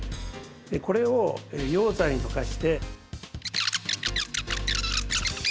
これを溶剤に溶かして。